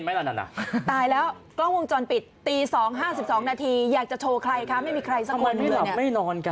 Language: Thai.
เสียไหมเสียไหมเสีย